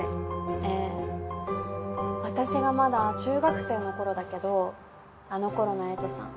ええ私がまだ中学生のころだけどあのころのエイトさん